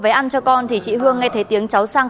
với ăn cho con thì chị hương nghe thấy tiếng cháu sang